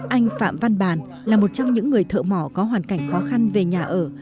anh phạm văn bản là một trong những người thợ mò có hoàn cảnh khó khăn về nhà ở